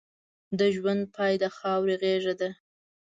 د ژوند پای د خاورې غېږه ده.